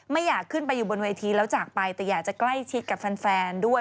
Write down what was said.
อยากขึ้นไปอยู่บนเวทีแล้วจากไปแต่อยากจะใกล้ชิดกับแฟนด้วย